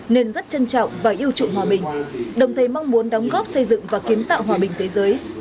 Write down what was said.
nên rất trân trọng và yêu trụng hòa bình đồng thời mong muốn đóng góp xây dựng và kiến tạo hòa bình thế giới